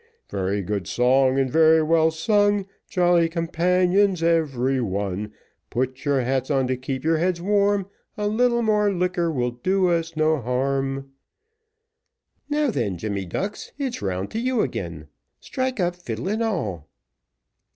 Very good song, and very well sung, Jolly companions every one; Put your hats on, and keep your heads warm, A little more liquor will do us no harm. "Now then, Jemmy Ducks, it's round to you again. Strike up, fiddle and all."